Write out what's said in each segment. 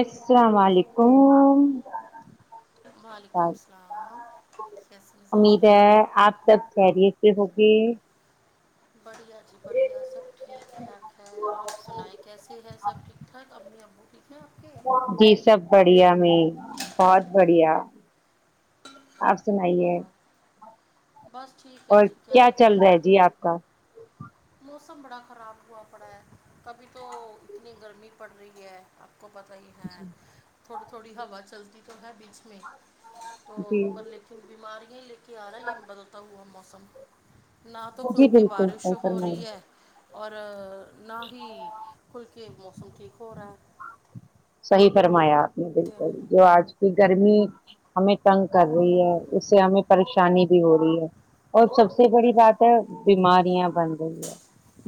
السلام علیکم وعلیکم السلام کیسے مزاج ہے آپ کے آپ خیریت سے ہوگے بڑھیا جی بڑھیا سب ٹھیک ٹھاک ہے آپ سنائیں کیسے ہے سب ٹھیک ٹھاک امی ابو ٹھیک ہے اوکے جی سب بڑھیا میں بہت بڑھیا آپ سنائیے اور بس ٹھیک ہے اور جی کیا چل بتائیں رہا ہے جی آپ کا موسم بڑا خراب ہوا پڑا ہے کبھی تو اتنی گرمی پڑ رہی ہے آپ کو پتا ہی ہے جی تھوڑی تھوڑی ہوا چلتی تو ہے بیچ میں تو جی پر لیکن بیماریاں کہ آ رہا ہے یہ بدلتا ہوا موسم نہ تو کل جی کی بالکل بارش صحیح ہو ہو فرمایا رہی ہے اور نہ ہی کھل کے موسم ٹھیک ہو رہا ہے صحیح فرمایا آپ نے ہے بالکل جو آج کی گرمی ہمیں تنگ کر رہی ہے اس سے ہمیں پریشانی بھی ہو رہی ہے اور سب سے بڑی بات ہے بیماریاں بن رہی ہے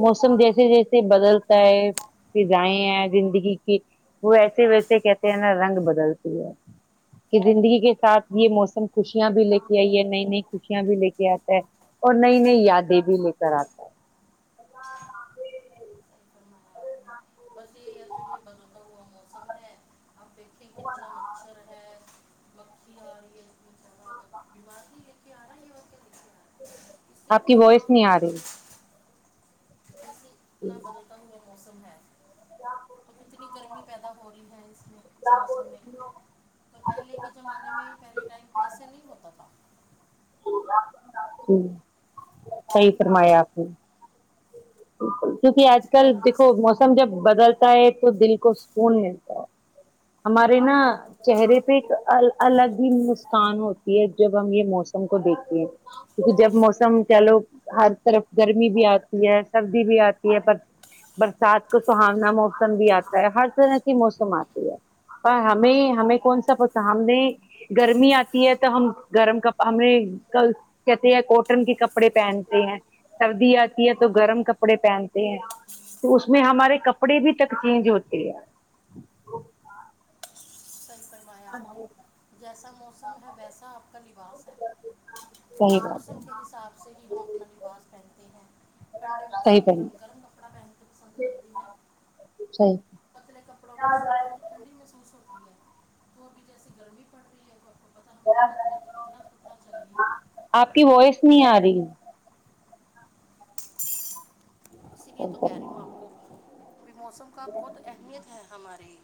موسم جیسے جیسے بدلتا ہے فضائیں ہیں زندگی کی وہ ایسے ویسے کہتے ہیں نا رنگ بدلتی ہے کہ زندگی کے ساتھ یہ موسم خوشیاں بھی لے کے آئی ہے نئی نئی خوشیاں بھی لے کے آتا ہے اور نئی نئی یادیں بھی لے کر آتا ہیں [unintelligible] بدلتا ہوا موسم ہے آپ دیکھے کتنا مچھر ہے مکھی آ رہی [unintelligible] بیمار نہیں لے کے آ رہا ہے یہ رہا ہے اس سے آپ کی کچھ تو وائس کھانا نہیں تو آ رہی بس جی ہوتا ہوا موسم ہے کیا ہو اتنی گرمی پیدا ہو رہی ہے اس میں اس موسم میں پہلے کے زمانے میں پہلے ٹائم پہ ایسے نہیں ہوتا تھا جی صحیح فرمایا آپ نے کیونکہ آج اس کل بار دیکھو اس موسم جب بدلتا ہے تو دل کو سکون ملتا ہے ہمارے نا چہرے پہ ایک الگ ہی مسکان ہوتی ہے جب ہم یہ موسم کو دیکھتے ہیں کیونکہ جب موسم کہہ لو ہر طرف گرمی بھی آتی ہے سردی بھی آتی ہے پر برسات کو سہانا موسم بھی آتا ہے ہر طرح کی موسم آتی ہے پر ہمیں ہمیں کون سا پتا ہم نے گرمی آتی ہے تو ہم گرم کا ہمیں کل کہتے ہیں کوٹن کے کپڑے پہنتے ہیں سردیا یہ تو گرم کپڑے پہنتے ہیں تو اس میں ہمارے کپڑے بھی تک چینج ہوتے ہیں صحیح فرمایا اپ نے جیسا موسم ہے ویسا آپ کا لباس ہے صحیح بات ہے موسم کے حساب سے ہی ہم اپنا لباس پنتے ہیں ٹھنڈے صحیح موسم میں پہن ہم گرم کپڑا پہننا پسند کرتے ہیں صحیح پتلے کپڑوں میں ٹھنڈی ٹھنڈی محسوس ہو وہ بھی جیسے گرمی پڑ رہی ہے تو آپ کو پتہ ہمیں تو پتلے کا پتلا کپڑا چاہیے آپ کی گرمی وائس بہت نہیں آ لگتی رہی ہے اسی لیے تو کہہ رہی ہوں آپ کو موسم کا بہت اہمیت ہے ہمارے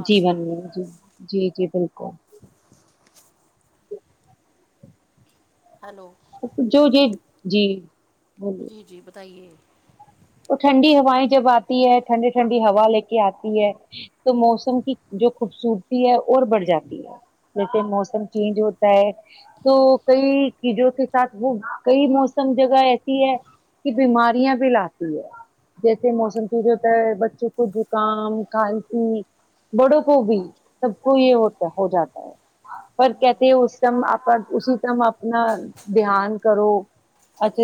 پاس جیون میں جی جی جی بالکل ہلو جو یہ جی بولیے جی جی بتائیے تو ٹھنڈی ہوائیں جب آتی ہے ٹھنڈی ٹھنڈی ہوا لے کے آتی ہے تو موسم کی جو خوبصورتی ہے اور بڑھ جاتی ہے جیسے موسم چینج ہوتا ہے تو کئی چیزوں کے ساتھ وہ کئی موسم جگہ ایسی ہے کہ بیماریاں بھی لات جیسے موسم چینج ہوتا ہے بچوں کو زکام کھانسی بڑوں کو بھی سب کو یہ ہوتا ہو جاتا ہے پر کہتے اسٹم اپ اسی تم اپنا دھیان کرو اچھا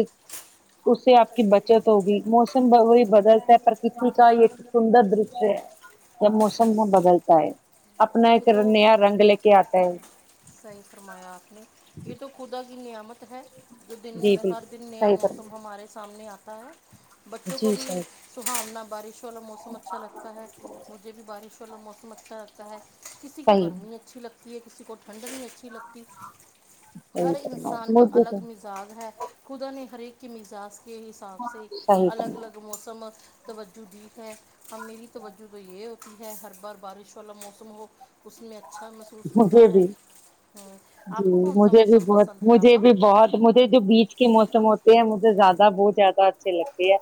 اس سے آپ کی بچت ہوگی موسم بدل وہی بدلتا ہے پر کسی کا ایک سندر دشیہ ہے جب موسم وہ بدلتا ہے اپنا یہ ایک تو نیا رنگ لے کے آتا ہے صحیح فرمایا آپ نے یہ تو خدا کی نعمت ہے جو دن جی ہر بالکل دن نیا صحیح موسم فرما ہمارے سامنے آتا ہے بچوں کو جی بھی صحیح سہنا بارش والا موسم اچھا لگتا ہے مجھے بھی بارش والا موسم اچھا لگتا ہے کسی کو صحیح گرمی اچھی لگتی ہے کسی کو ٹھنڈ بھی اچھی لگتی صحیح ہر انسان فرمایا کا مجھے تو الگ میز از ہے خدا نے ہر ایک کے مزاج کے حساب سے صحیح الگ فرمایا الگ موسم آج توجہ دی ہے میری توجہ تو یہ ہوتی ہے ہر بار بارش والا موسم ہو اس میں اچھا محسوس ہوتا مجھے ہے بھی ہوں جی آپ کو کون سا مجھے بھی موسم بہت پسند ہے مجھے آپا بھی بہت مجھے جو بیچ کے موسم ہوتے ہیں مجھے زیادہ بہت زیادہ اچھے لگتے ہے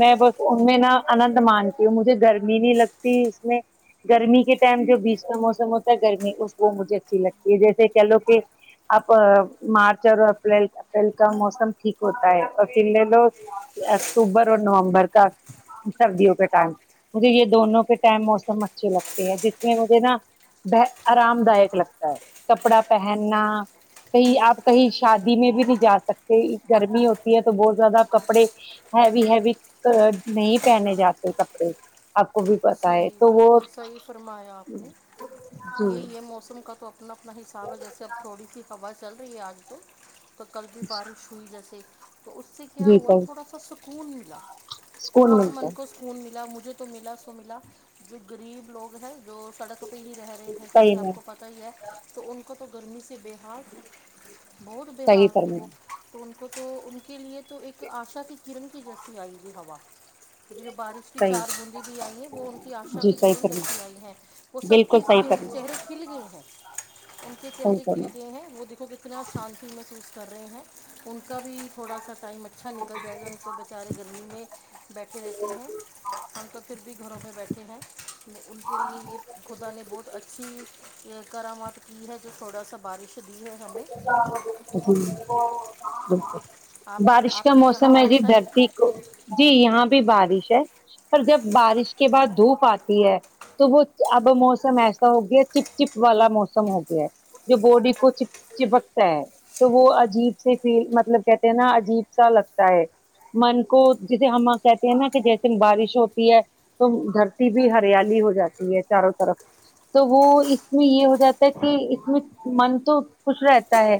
میں بس ان میں نا آند مانتی ہوں مجھے گرمی نہیں لگتی اس میں گرمی کے ٹائم جو بیچ کا موسم ہوتا ہے گرمی اس وہ مجھے اچھی لگتی ہے جیسے کہہ لو کہ اپ مارچ اور ایپریل اپریل کا موسم ٹھیک ہوتا ہے اور پھر لے لو اکتوبر اور نومبر کا سردیوں کے ٹائم مجھے یہ دونوں کے ٹائم موسم اچھے لگتے ہے جس میں مجھے نا آرام دائک لگتا ہے کپڑا پہننا صحیح کہیں آپ کہیں شادی میں بھی نہیں جا سکتے گرمی ہوتی ہے تو بہت زیادو کپڑے ہیوی ہیوی تو اب نہیں پہنے جاتے کپڑے آپ کو بھی پتا ہے صحیح تو وہ بالکل جی یہی ہے موسم کا تو اپنا اپنا حساب ہے جیسے اب تھوڑی سی ہوا چل رہی ہے آگے تو کل بھی بارش ہوئی جیسے تو اس سے کیا جی ہوا سر تھوڑا سا سکون ملا سکون بہت من ملتا کو ہے ملا مجھے تو ملا سو ملا جو غریب لوگ ہیں جو سڑک پہ ہی رہ رہے ہیں جیسے صحیح میں آپ کو پتا ہی ہے تو ان کو تو گرمی سے بے حال تھا بہت بے صحیح حال تھے فرما وہ تو ان کو تو ان کے لیے تو ایک آشا کی کرن کی جیسی آئے ہوی ہوا جی جو بارش کی صحیح چار بندی آئی ہے وہ ان کی آشا جی کی صحیح کرن فرما جیسی آئی ہے وہ سب کے بالکل صحیح فرما چہرے کھل گئے ہیں ان کے صحیح چہری کیے فرما گئے ہیں وہ دیکھو گے اتنا شانتی محسوس کر رہے ہیں ان کا بھی تھوڑا سا ٹائم اچھا نکل جائے گا ان کا چارے گرمی میں بیٹھے رہتے ہیں ہم تو پھر بھی گھروں میں بیٹھے ہیں ان کے لیے یہ خدا نے بہت اچھی کرامات یہ ہے جو تھوڑا سا بارش دی ہے ہمیں جی بالکل آپ بارش کا آپ کے یہاں موسم ہے جی بارش آئی دھرتی کو جی یہاں بھی بارش ہے پر جب بارش کے بعد دھوپ آتی ہے تو وہ اب موسم ایسا ہو گیا چپ چپ والا موسم ہو گیا جو باڈی کو چ چپکتا ہے تو وہ عجیب سے فیل مطلب کہتے ہیں نا عجیب سا لگتا ہے من کو جسے ہم آپ کہتے ہیں نا کہ جیسے بارش ہوتی ہے تو دھرتی بھی ہریالی ہو جاتی ہے چاروں طرف تو وہ اس میں یہ ہو جاتا ہے کہ اس میں من تو خوش رہتا ہے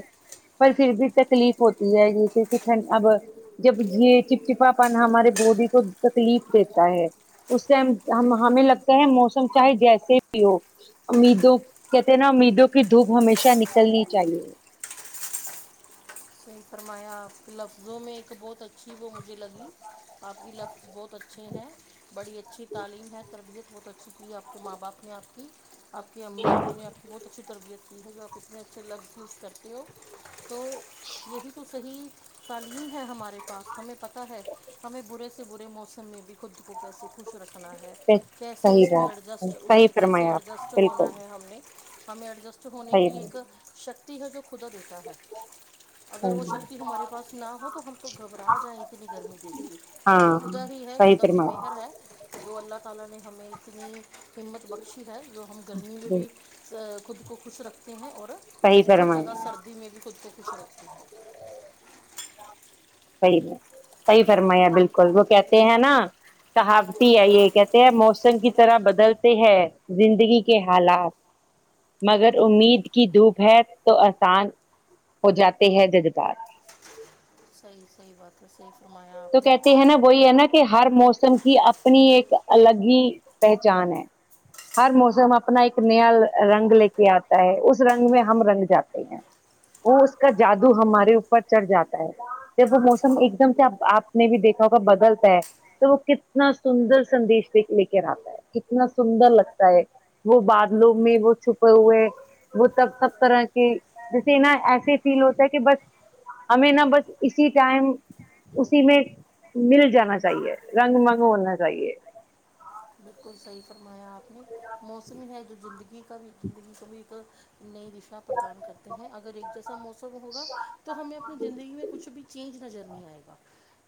پر پھر بھی تکلیف ہوتی ہے جیسے کہ ٹھنڈ اب جب یہ چپچپا پن ہمارے باڈی کو تکلیف دیتا ہے اس سے ہمیں لگتا ہے موسم چاہے جیسے ہی ہو امیدوں کہتے ہیں نا امیدوں کی دھوپ ہمیشہ نکلنی چاہیے صحیح فرمایا آ لفظوں میں ایک بہت اچھی وہ مجھے لگی آپ کی لفظ بہت اچھے ہیں بڑی اچھی تعلیم ہے تربیت بہت اچھی کی ہے آپ کے ماں باپ نے آپ کی آپ کی امی ابو نے آپ کی بہت اچھی تربیت کی ہے جو آپ کی میں جو لفظ یوز کرتے ہو تو یہی تو صحیح تعلیم ہے ہمارے پاس ہمیں پتہ ہے ہمیں برے سے برے موسم میں بھی خود کو کیسے خوش رکھنا ہے کیسے صحیح اس میں بات ایڈجسٹ اس صحیح میں کیسے فرمایا ایڈجسٹ آپ بالکل ہونا ہے ہمیں ہمیں ایڈجسٹ ہونے کی صحیح ایک شکتی ہے جو خدا دیتا ہے اگر وہ شکتی ہمارے پاس نہ ہو تو ہم تو گھبرا جائیں اتنے گرمی دیکھ کے ہاں خدا ہی ہے صحیح خدا کی مہر فرمایا ہے جو اللہ تعالی نے ہمیں اتنی ہمت بخشی ہے جو ہم گرمی میں بھی خود کو خوش رکھتے ہیں اور صحیح بہت فرمایا زیادہ سردی میں بھی خود کو خوش رکھ تے ہے صحیح صحیح فرمایا بالکل وہ کہتے ہیں نا صحاوتی ہے یہ کہتے ہیں موسم کی طرح بدلتے ہیں زندگی کے حالات مگر امید کی دھوپ ہے تو آسان ہو جاتے ہے ددگار صحیح صحیح بات ہے صحیح فرمایا تو آپ نے کہتے ہیں نا وہی ہے نا کہ ہر موسم کی اپنی ایک الگ ہی پہچان ہے ہر موسم اپنا ایک نیا رنگ لے کے آتا ہے اس رنگ میں ہم رنگ جاتے ہیں وہ اس کا جادو ہمارے اوپر چڑھ جاتا ہے جب وہ موسم ایک دم سا آپ نے بھی دیکھا ہوگا بدلتا ہے تو وہ کتنا سندر سندیش لے کے آتا ہے کتنا سندر لگتا ہے وہ بادلوں میں وہ چھپے ہوئے ہیں وہ تب [unintelligible] جیسے نا ایسے فیل ہوتا ہے کہ بس ہمیں نا بس اسی ٹائم اسی میں مل جانا چاہیے رنگ منگ ہونا چاہیے بالکل صحیح فرمایا آپ نے موسم ہے جو زندگی کا بھی زندگی کا بھی ایک نئی دشا پردان کرتے ہیں اگر ایک جیسا موسم ہوگا تو ہمیں اپنی زندگی میں کچھ بھی چینج نظر نہیں آئے گا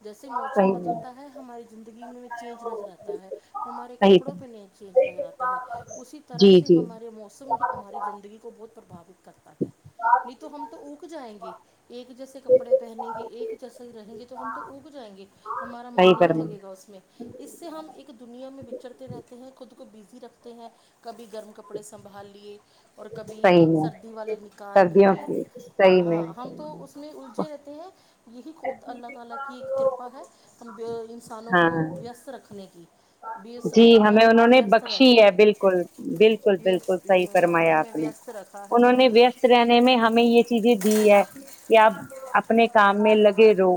جیسے موسم صحیح میں بدلتا ہے ہماری زندگی میں چینج نظر آتا ہے ہمارے صحیح کپڑوں میں پہ نہیں چینج نظر آتا ہے اسی جی طرح سے جی ہمارے موسم ہے ہماری زندگی کو بہت پرباوت کرتا ہے نہیں تو ہم تو اوک جائیں گے ایک جیسے کپڑے پہنیں گے ایک جیسے رہیں گے تو ہم تو اگ جائیں گے ہمارا من صحیح نہیں فرما لگے گا اس میں اس سے ہم ایک دنیا میں چڑتے رہتے ہیں خود کو بزی رکھتے ہیں کبھی گرم کپڑے سنبھال لیے اور کبھی صحیح میں سردی والے نکال سردیوں لیے کی صحیح میں ہاں ہم تو اس میں الجے رہتے ہیں یہی خ اللہ تعالی کی ایک کرپا ہے ہم ان سے کسانوں کو ہاں ویست رکھنے کی بیس جی اپنے ہمیں اپ میں انہوں نے ویست بخشی رہتے ہے بالکل بالکل بالکل صحیح ہاں فرمایا ہمیں آپ نے ویست رکھ تا ہے انہوں نے ہونی ویست رہنے میں ہمیں یہ چیزیں دی ہے کہ آپ اپنے کام میں لگے رہو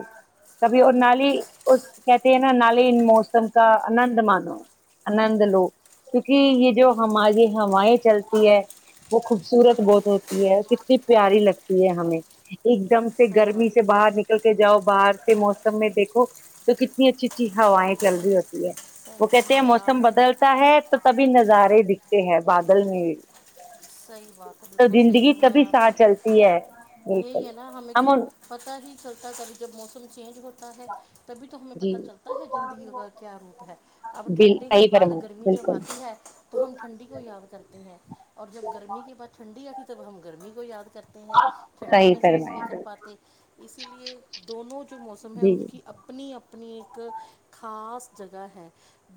کبھی اور نالی اس کہتے ہیں نا نالی ان موسم کا آنند مانو آنند لو کیونکہ یہ جو ہماری ہوائیں چلتی ہے وہ خوبصورت بہت ہوتی ہے کتنی پیاری لگتی ہے ہمیں ایک دم کے صحیح گرمی بات سے ہے باہر نکل نکل کے جاؤ باہر کے موسم میں دیکھو تو کتنی اچھی اچھی ہوائیں چل رہی ہوتی ہے ہ [unintelligible] کے موسم بدلتا ہے تو تبھی نظارے دکھتے ہیں بادل میں صحیح بات ہے تو بالکل صحیح زندگی تبھی فرمایا آپ نے ساتھ چلتی ہے بالکل یہی ہے نا ہمیں ہم تو ان پتا ہی چلتا کبھی جب موسم چینج ہو تا ہے تبھی تو ہمیں پتہ جی چلتا ہے زندگی کا کیا روپ ہے اب بل ٹھنڈی کے صحیح بعد فرمائیں گرمی جب بالکل آتی ہے تو ہم ٹھنڈی کو یاد کرتے ہیں اور جب گرمی کے بعد ٹھنڈی آتی تب ہم گرمی کو یاد کرتے ہیں ٹھنڈی صحیح محسوس نہیں فرمائیں کر پاتے اسی لیے دونوں جو موسم ہے جی اس کی اپنی اپنی اپنی ایک خاص جگہ ہے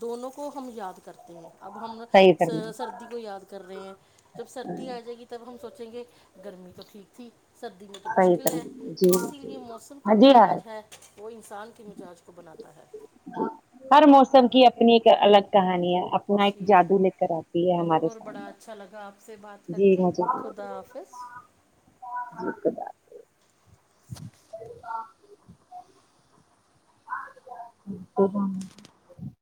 دونوں کو ہم یاد کرتے ہیں اب ہم صحیح فرمائیں سردی کو یاد کر رہے ہیں جب سردی آ جائے گی تب ہم سوچیں گے گرمی تو ٹھیک تھی سردی میں تو صحیح مشکل ہے فرمائیں جی اسی لیے موسم کا ہاں جی ہاں مزاج ہے وہ انسان کے مزاج کو بناتا ہے ہر موسم کی اپنی ایک الگ کہانی ہے اپنا ایک جادو لے کر آتی ٹھیک ہے ہمارے اور بڑا سامنے اچھا لگا آپ سے بات کر جی کے مجھے جی خدا حافظ کدا اب ہم